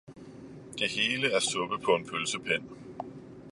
»»det Hele er Suppe paa en Pølsepind!